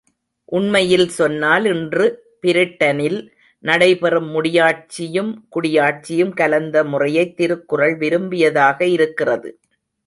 உண்மையில் சொன்னால் இன்று பிரிட்டனில் நடைபெறும் முடியாட்சியும் குடியாட்சியும் கலந்த முறையைத் திருக்குறள் விரும்பியதாக இருக்கிறது.